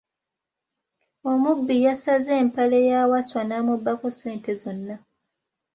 Omubbi yasaze empale ya Wasswa n’amubbako ssente zonn.